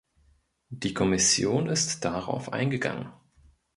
Die Kommission ist darauf eingegangen.